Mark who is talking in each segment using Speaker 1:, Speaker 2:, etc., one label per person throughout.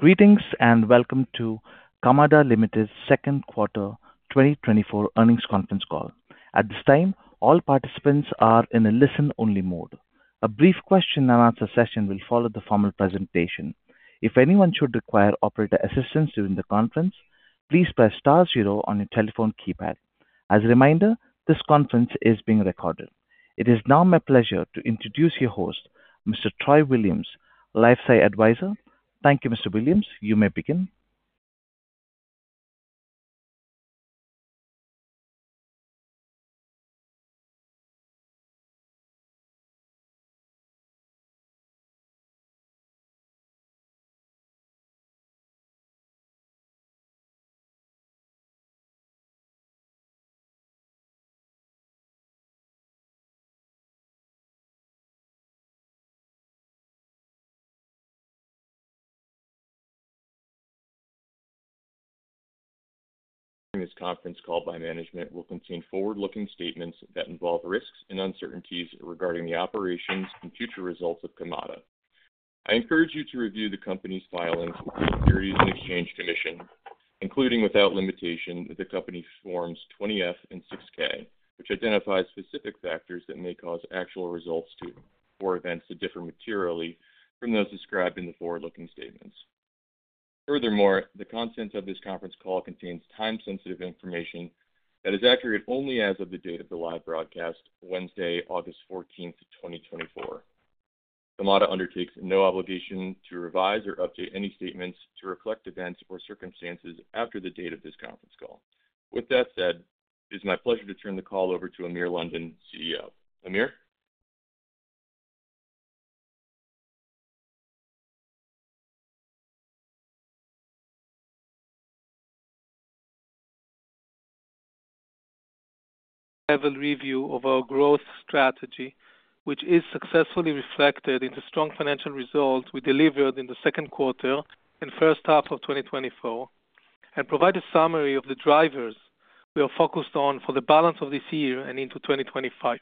Speaker 1: Greetings, and welcome to Kamada Ltd.'s Second Quarter 2024 Earnings Conference Call. At this time, all participants are in a listen-only mode. A brief question-and-answer session will follow the formal presentation. If anyone should require operator assistance during the conference, please press star zero on your telephone keypad. As a reminder, this conference is being recorded. It is now my pleasure to introduce your host, Mr. Troy Williams, LifeSci Advisors. Thank you, Mr. Williams. You may begin.
Speaker 2: This conference call by management will contain forward-looking statements that involve risks and uncertainties regarding the operations and future results of Kamada. I encourage you to review the company's filings with the Securities and Exchange Commission, including, without limitation, the company's Forms 20-F and 6-K, which identifies specific factors that may cause actual results to or events to differ materially from those described in the forward-looking statements. Furthermore, the content of this conference call contains time-sensitive information that is accurate only as of the date of the live broadcast, Wednesday, August 14th, 2024. Kamada undertakes no obligation to revise or update any statements to reflect events or circumstances after the date of this conference call. With that said, it is my pleasure to turn the call over to Amir London, CEO. Amir?
Speaker 3: High-level review of our growth strategy, which is successfully reflected in the strong financial results we delivered in the second quarter and first half of 2024, and provide a summary of the drivers we are focused on for the balance of this year and into 2025.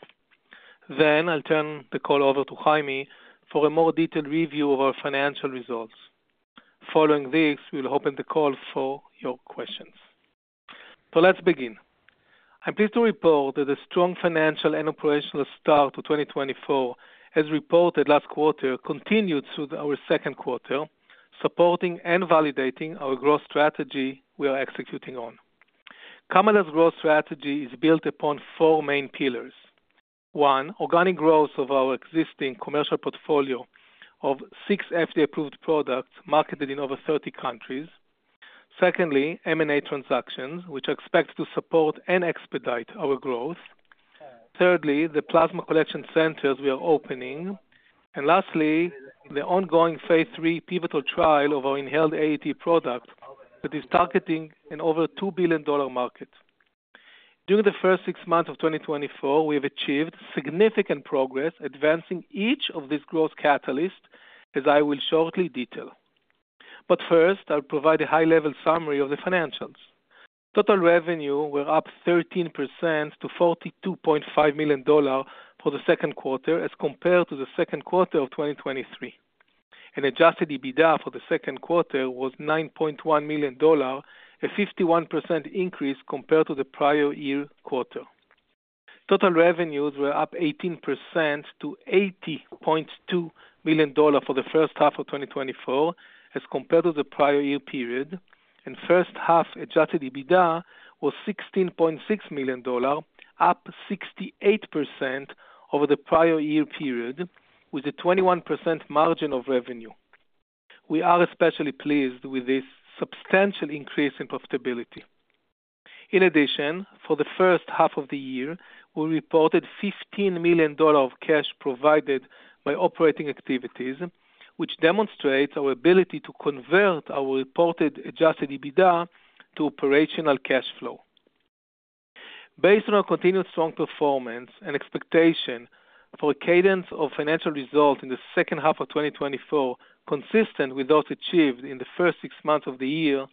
Speaker 3: Then I'll turn the call over to Chaime for a more detailed review of our financial results. Following this, we'll open the call for your questions. So let's begin. I'm pleased to report that the strong financial and operational start to 2024, as reported last quarter, continued through our second quarter, supporting and validating our growth strategy we are executing on. Kamada's growth strategy is built upon four main pillars. One, organic growth of our existing commercial portfolio of six FDA-approved products marketed in over 30 countries. Secondly, M&A transactions, which are expected to support and expedite our growth. Thirdly, the plasma collection centers we are opening. Lastly, the ongoing phase 3 pivotal trial of our inhaled AAT product that is targeting an over $2 billion market. During the first 6 months of 2024, we have achieved significant progress advancing each of these growth catalysts, as I will shortly detail. But first, I'll provide a high-level summary of the financials. Total revenue were up 13% to $42.5 million for the second quarter as compared to the second quarter of 2023. Our adjusted EBITDA for the second quarter was $9.1 million, a 51% increase compared to the prior year quarter. Total revenues were up 18% to $80.2 million for the first half of 2024, as compared to the prior year period, and first half Adjusted EBITDA was $16.6 million, up 68% over the prior year period, with a 21% margin of revenue. We are especially pleased with this substantial increase in profitability. In addition, for the first half of the year, we reported $15 million of cash provided by operating activities, which demonstrates our ability to convert our reported Adjusted EBITDA to operational cash flow. Based on our continued strong performance and expectation for a cadence of financial results in the second half of 2024, consistent with those achieved in the first six months of the year,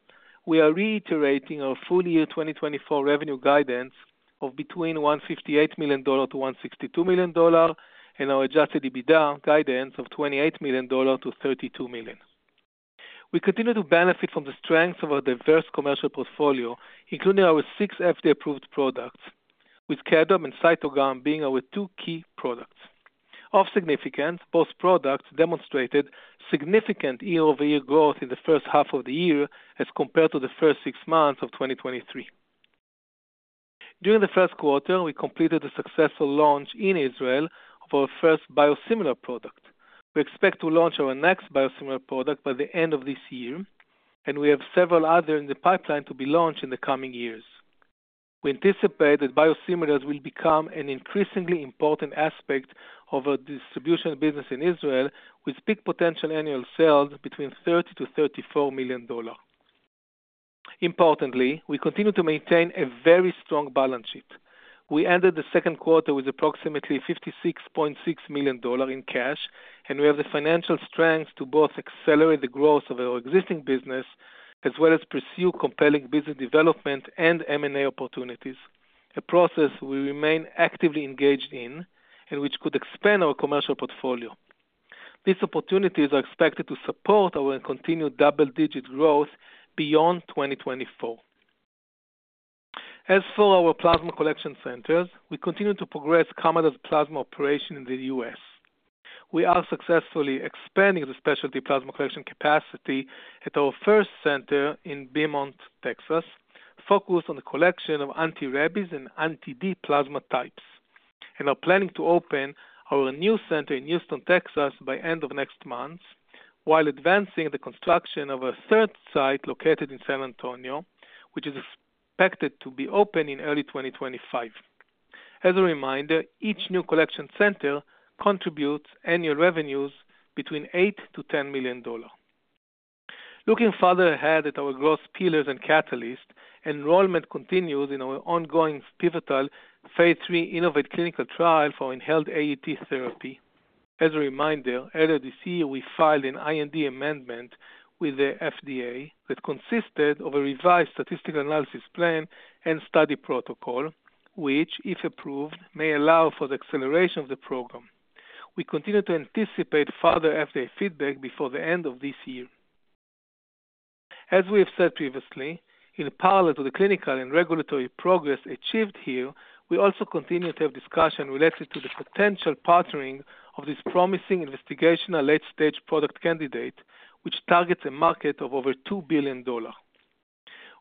Speaker 3: we are reiterating our full year 2024 revenue guidance of between $158 million-$162 million, and our Adjusted EBITDA guidance of $28 million-$32 million. We continue to benefit from the strength of our diverse commercial portfolio, including our six FDA-approved products, with KEDRAB and CYTOGAM being our two key products. Of significance, both products demonstrated significant year-over-year growth in the first half of the year as compared to the first six months of 2023. During the first quarter, we completed a successful launch in Israel for our first biosimilar product. We expect to launch our next biosimilar product by the end of this year, and we have several other in the pipeline to be launched in the coming years. We anticipate that biosimilars will become an increasingly important aspect of our distribution business in Israel, with peak potential annual sales between $30 million-$34 million. Importantly, we continue to maintain a very strong balance sheet. We ended the second quarter with approximately $56.6 million in cash, and we have the financial strength to both accelerate the growth of our existing business as well as pursue compelling business development and M&A opportunities. A process we remain actively engaged in and which could expand our commercial portfolio. These opportunities are expected to support our continued double-digit growth beyond 2024. As for our plasma collection centers, we continue to progress Kamada's plasma operation in the U.S. We are successfully expanding the specialty plasma collection capacity at our first center in Beaumont, Texas, focused on the collection of anti-rabies and anti-D plasma types, and are planning to open our new center in Houston, Texas, by end of next month, while advancing the construction of a third site located in San Antonio, which is expected to be open in early 2025. As a reminder, each new collection center contributes annual revenues between $8 million-$10 million. Looking farther ahead at our growth pillars and catalysts, enrollment continues in our ongoing pivotal phase 3 InnovAATe clinical trial for Inhaled AAT therapy. As a reminder, earlier this year, we filed an IND amendment with the FDA that consisted of a revised statistical analysis plan and study protocol, which, if approved, may allow for the acceleration of the program. We continue to anticipate further FDA feedback before the end of this year. As we have said previously, in parallel to the clinical and regulatory progress achieved here, we also continue to have discussion related to the potential partnering of this promising investigational late-stage product candidate, which targets a market of over $2 billion.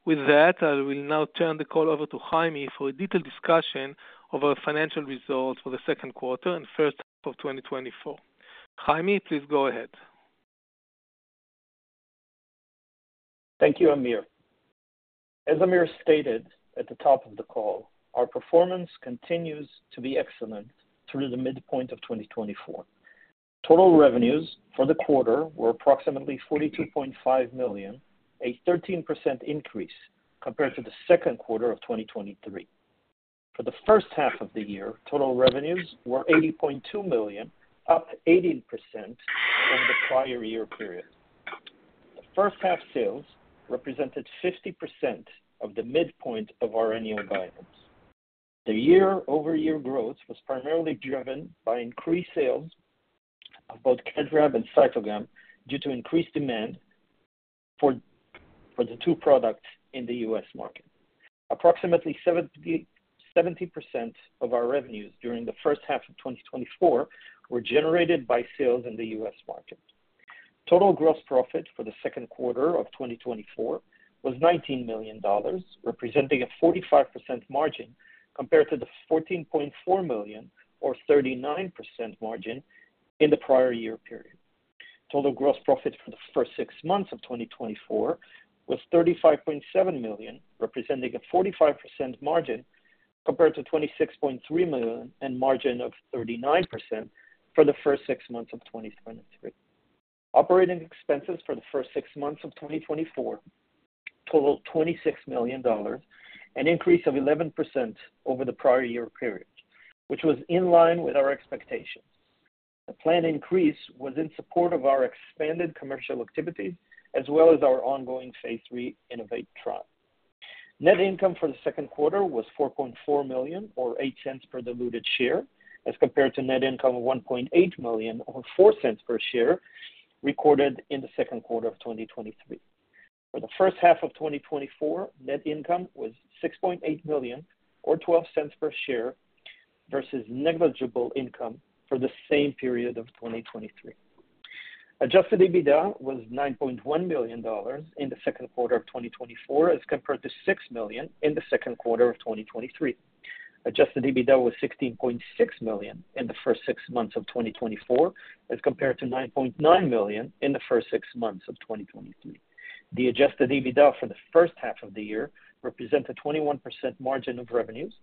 Speaker 3: With that, I will now turn the call over to Chaime for a detailed discussion of our financial results for the second quarter and first half of 2024. Chaime, please go ahead.
Speaker 4: Thank you, Amir. As Amir stated at the top of the call, our performance continues to be excellent through the midpoint of 2024. Total revenues for the quarter were approximately $42.5 million, a 13% increase compared to the second quarter of 2023. For the first half of the year, total revenues were $80.2 million, up 18% from the prior year period. The first half sales represented 50% of the midpoint of our annual guidance. The year-over-year growth was primarily driven by increased sales of both KEDRAB and CYTOGAM, due to increased demand for the two products in the US market. Approximately 70% of our revenues during the first half of 2024 were generated by sales in the US market. Total gross profit for the second quarter of 2024 was $19 million, representing a 45% margin, compared to the $14.4 million or 39% margin in the prior year period. Total gross profit for the first six months of 2024 was $35.7 million, representing a 45% margin, compared to $26.3 million and margin of 39% for the first six months of 2023. Operating expenses for the first six months of 2024 totaled $26 million, an increase of 11% over the prior year period, which was in line with our expectations. The planned increase was in support of our expanded commercial activities, as well as our ongoing phase 3 InnovAATe trial. Net income for the second quarter was $4.4 million, or 8 cents per diluted share, as compared to net income of $1.8 million, or 4 cents per share, recorded in the second quarter of 2023. For the first half of 2024, net income was $6.8 million, or 12 cents per share, versus negligible income for the same period of 2023. Adjusted EBITDA was $9.1 million in the second quarter of 2024, as compared to $6 million in the second quarter of 2023. Adjusted EBITDA was $16.6 million in the first six months of 2024, as compared to $9.9 million in the first six months of 2023. The adjusted EBITDA for the first half of the year represents a 21% margin of revenues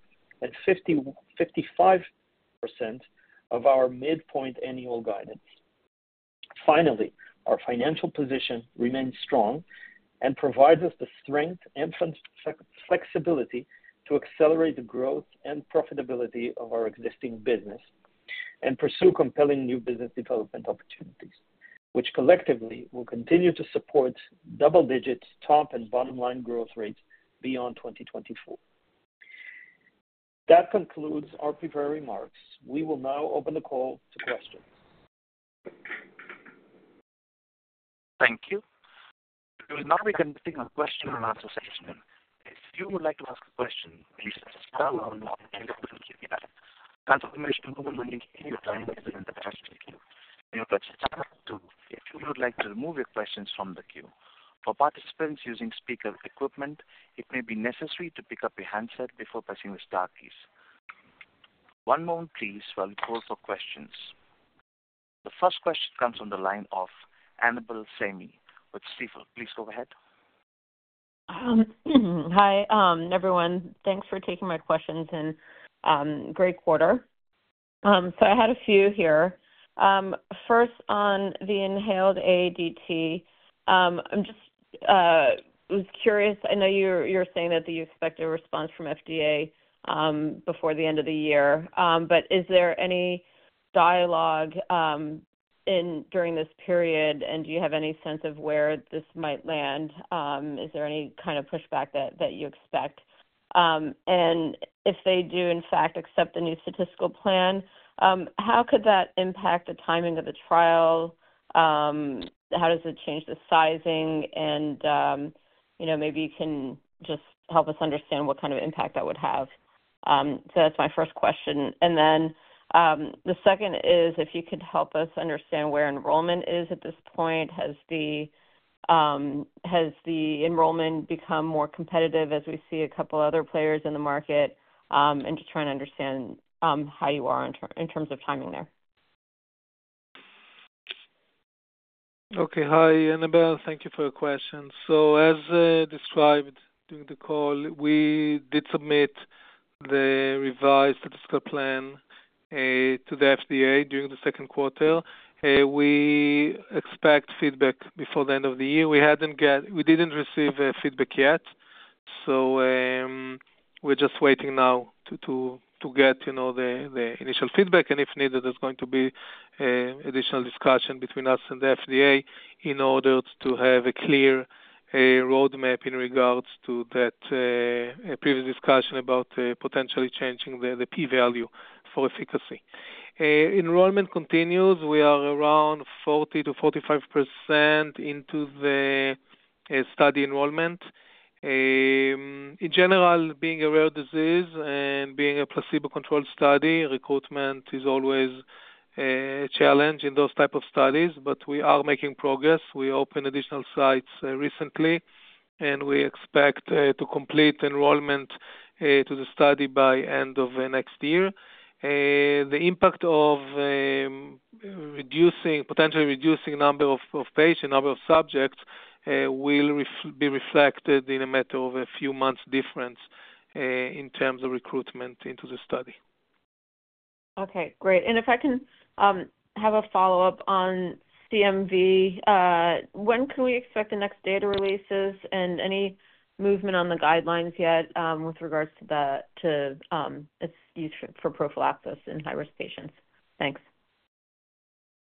Speaker 4: and 55% of our midpoint annual guidance. Finally, our financial position remains strong and provides us the strength and flexibility to accelerate the growth and profitability of our existing business and pursue compelling new business development opportunities, which collectively will continue to support double-digit top and bottom line growth rates beyond 2024. That concludes our prepared remarks. We will now open the call to questions.
Speaker 1: Thank you. We will now be taking a question and answer session. If you would like to ask a question, please press star one on your keyboard. Confirmation will indicate your line is in the question queue. You press star two if you would like to remove your questions from the queue. For participants using speaker equipment, it may be necessary to pick up your handset before pressing the star key. One moment please, while we pull for questions. The first question comes from the line of Annabel Samimy with Stifel. Please go ahead.
Speaker 5: Hi, everyone. Thanks for taking my questions and great quarter. So I had a few here. First, on the Inhaled AAT, I'm just was curious. I know you're saying that you expect a response from FDA before the end of the year. But is there any dialogue during this period, and do you have any sense of where this might land? Is there any kind of pushback that you expect? And if they do, in fact, accept the new statistical plan, how could that impact the timing of the trial? How does it change the sizing? And you know, maybe you can just help us understand what kind of impact that would have. So that's my first question. And then, the second is, if you could help us understand where enrollment is at this point. Has the enrollment become more competitive as we see a couple other players in the market, and just trying to understand, how you are in terms of timing there?
Speaker 3: Okay. Hi, Annabel. Thank you for your question. So, as described during the call, we did submit the revised statistical plan to the FDA during the second quarter. We expect feedback before the end of the year. We didn't receive a feedback yet, so we're just waiting now to get, you know, the initial feedback, and if needed, there's going to be additional discussion between us and the FDA in order to have a clear roadmap in regards to that previous discussion about potentially changing the p-value for efficacy. Enrollment continues. We are around 40%-45% into the study enrollment. In general, being a rare disease and being a placebo-controlled study, recruitment is always a challenge in those type of studies, but we are making progress. We opened additional sites recently, and we expect to complete enrollment to the study by end of next year. The impact of potentially reducing number of patients, number of subjects will be reflected in a matter of a few months' difference in terms of recruitment into the study.
Speaker 5: Okay, great. And if I can, have a follow-up on CMV, when can we expect the next data releases and any movement on the guidelines yet, with regards to its use for prophylaxis in high-risk patients? Thanks.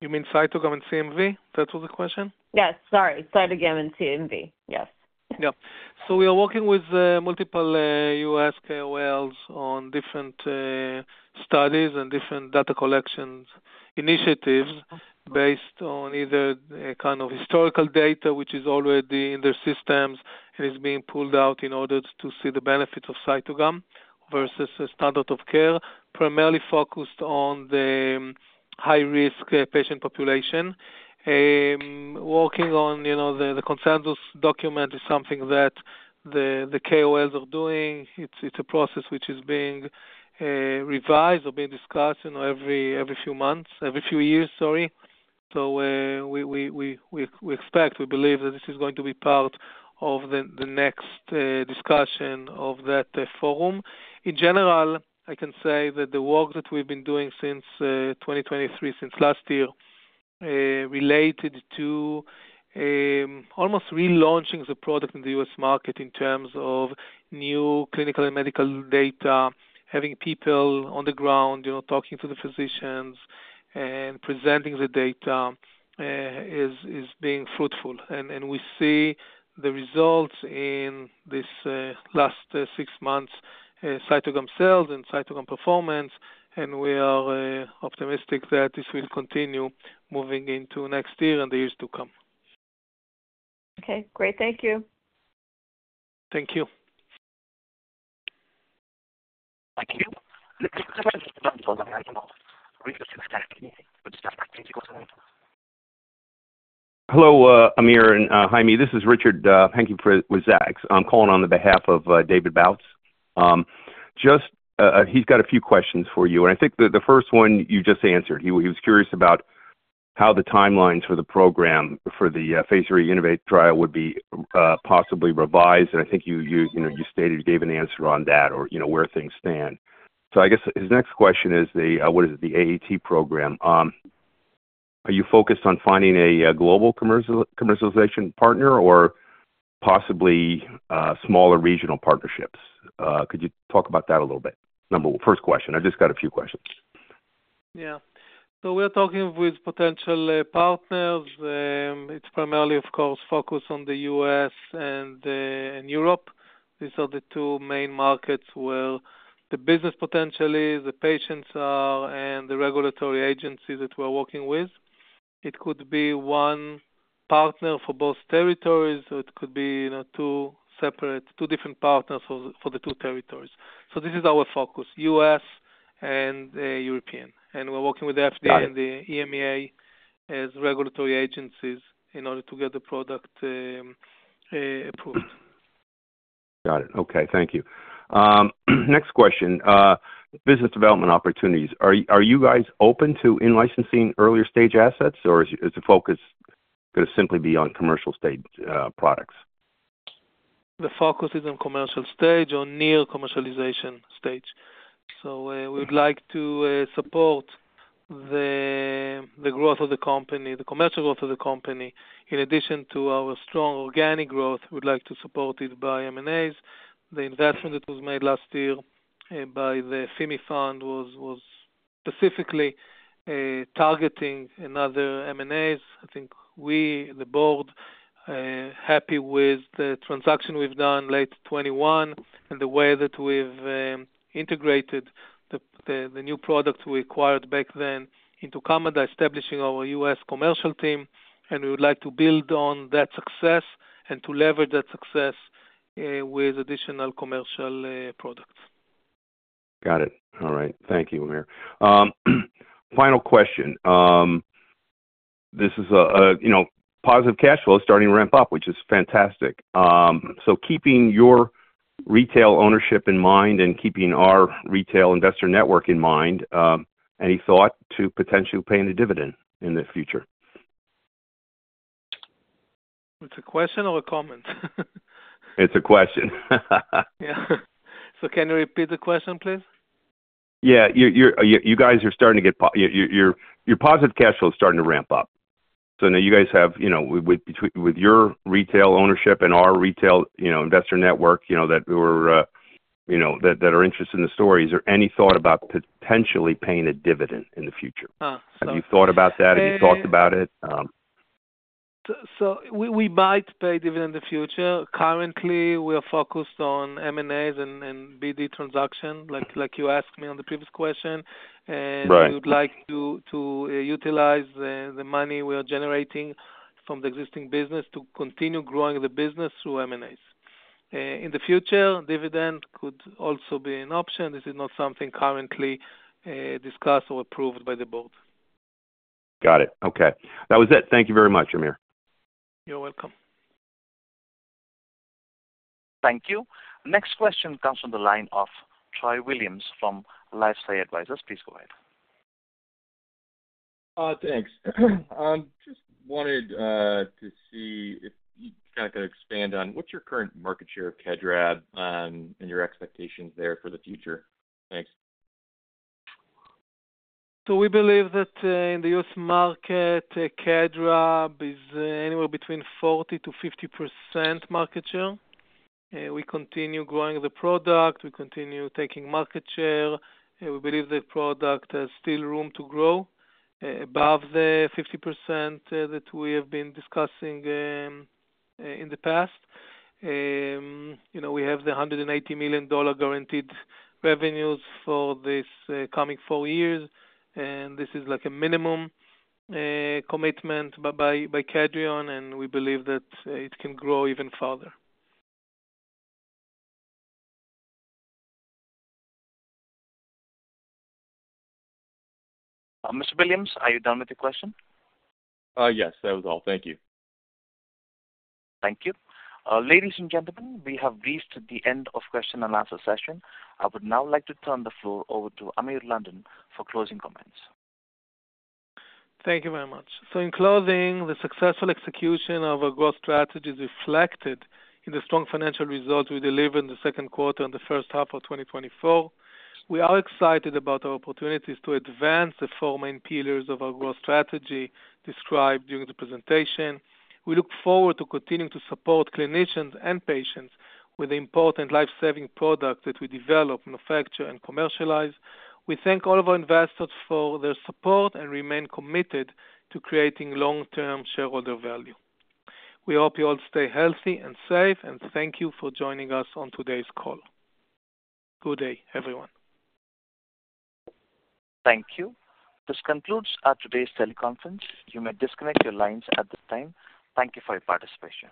Speaker 3: You mean CYTOGAM and CMV? That was the question?
Speaker 5: Yes. Sorry, CYTOGAM and CMV. Yes.
Speaker 3: Yeah. So we are working with multiple U.S. KOLs on different studies and different data collections initiatives based on either kind of historical data, which is already in their systems and is being pulled out in order to see the benefits of CYTOGAM versus the standard of care, primarily focused on the high-risk patient population. Working on, you know, the consensus document is something that the KOLs are doing. It's a process which is being revised or being discussed, you know, every few months, every few years, sorry. So we expect, we believe that this is going to be part of the next discussion of that forum. In general, I can say that the work that we've been doing since 2023, since last year, related to almost relaunching the product in the U.S. market in terms of new clinical and medical data, having people on the ground, you know, talking to the physicians and presenting the data, is being fruitful. We see the results in this last six months, CYTOGAM sales and CYTOGAM performance, and we are optimistic that this will continue moving into next year and the years to come.
Speaker 5: Okay, great. Thank you.
Speaker 3: Thank you.
Speaker 6: Hello, Amir and Chaime. This is Richard Hankin with Zacks. I'm calling on behalf of David Bautz. Just, he's got a few questions for you, and I think the first one you just answered. He was curious about how the timelines for the program, for the phase 3 InnovAATe trial would be possibly revised. And I think you know, you stated, you gave an answer on that or, you know, where things stand. So I guess his next question is the AAT program. Are you focused on finding a global commercialization partner or possibly smaller regional partnerships? Could you talk about that a little bit? Number one, first question. I just got a few questions.
Speaker 3: Yeah. So we're talking with potential partners. It's primarily, of course, focused on the U.S. and Europe. These are the two main markets where the business potentially, the patients are, and the regulatory agencies that we're working with. It could be one partner for both territories, or it could be, you know, two separate, two different partners for the two territories. So this is our focus, U.S. and Europe, and we're working with the FDA-
Speaker 6: Got it.
Speaker 3: - and the EMA as regulatory agencies in order to get the product approved.
Speaker 6: Got it. Okay, thank you. Next question. Business development opportunities. Are you guys open to in-licensing earlier-stage assets, or is the focus gonna simply be on commercial-stage products?
Speaker 3: The focus is on commercial stage or near commercialization stage. So, we'd like to support the growth of the company, the commercial growth of the company. In addition to our strong organic growth, we'd like to support it by M&As, the investment that was made last year by the FIMI Fund was specifically targeting another M&As. I think we, the board, happy with the transaction we've done late 2021, and the way that we've integrated the new products we acquired back then into Kamada, establishing our U.S. commercial team, and we would like to build on that success and to leverage that success with additional commercial products.
Speaker 6: Got it. All right. Thank you, Amir. Final question. This is, you know, positive cash flow is starting to ramp up, which is fantastic. So keeping your retail ownership in mind and keeping our retail investor network in mind, any thought to potentially paying a dividend in the future?
Speaker 3: It's a question or a comment?
Speaker 6: It's a question.
Speaker 3: Yeah. So can you repeat the question, please?
Speaker 6: Yeah. Your positive cash flow is starting to ramp up. So now you guys have, you know, between your retail ownership and our retail investor network, you know, that are interested in the story, is there any thought about potentially paying a dividend in the future?
Speaker 3: Ah, so-
Speaker 6: Have you thought about that? Have you talked about it?
Speaker 3: So we might pay dividend in the future. Currently, we are focused on M&As and BD transaction, like you asked me on the previous question.
Speaker 6: Right.
Speaker 3: We would like to utilize the money we are generating from the existing business to continue growing the business through M&As. In the future, dividend could also be an option. This is not something currently discussed or approved by the board.
Speaker 6: Got it. Okay. That was it. Thank you very much, Amir.
Speaker 3: You're welcome.
Speaker 1: Thank you. Next question comes from the line of Troy Williams from LifeSci Advisors. Please go ahead.
Speaker 2: Thanks. Just wanted to see if you kind of expand on what's your current market share of KEDRAB, and your expectations there for the future. Thanks.
Speaker 3: So we believe that, in the US market, KEDRAB is, anywhere between 40%-50% market share. We continue growing the product, we continue taking market share, we believe the product has still room to grow, above the 50%, that we have been discussing, in the past. You know, we have the $180 million guaranteed revenues for this, coming four years, and this is like a minimum, commitment by Kedrion, and we believe that, it can grow even further.
Speaker 1: Mr. Williams, are you done with the question?
Speaker 2: Yes, that was all. Thank you.
Speaker 1: Thank you. Ladies and gentlemen, we have reached the end of question and answer session. I would now like to turn the floor over to Amir London for closing comments.
Speaker 3: Thank you very much. So in closing, the successful execution of our growth strategy is reflected in the strong financial results we delivered in the second quarter and the first half of 2024. We are excited about our opportunities to advance the four main pillars of our growth strategy described during the presentation. We look forward to continuing to support clinicians and patients with the important life-saving products that we develop, manufacture, and commercialize. We thank all of our investors for their support and remain committed to creating long-term shareholder value. We hope you all stay healthy and safe, and thank you for joining us on today's call. Good day, everyone.
Speaker 1: Thank you. This concludes our today's teleconference. You may disconnect your lines at this time. Thank you for your participation.